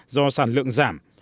do sản lượng giảm